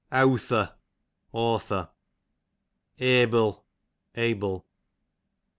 Eawther, author. Ebil, Abel.